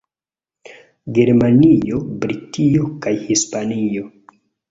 Germanio, Britio kaj Hispanio.